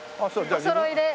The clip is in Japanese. おそろいで。